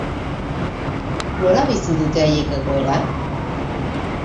Nola bizi dute haiek egoera?